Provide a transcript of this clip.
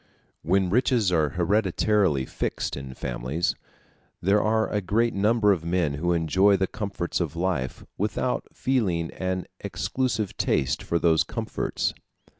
When riches are hereditarily fixed in families, there are a great number of men who enjoy the comforts of life without feeling an exclusive taste for those comforts.